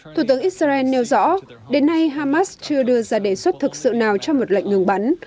thủ tướng israel nêu rõ đến nay hamas chưa đưa ra đề xuất thực sự nào cho một lệnh ngừng bắn